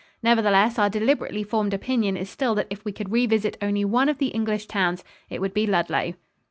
Nevertheless, our deliberately formed opinion is still that if we could re visit only one of the English towns it would be Ludlow.